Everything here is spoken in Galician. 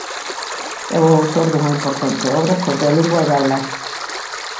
É o autor dunha importante obra sobre a lingua gala.